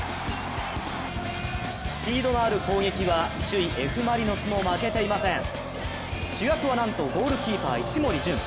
スピードのある攻撃は首位・Ｆ・マリノスも負けていません主役はなんとゴールキーパー一森純。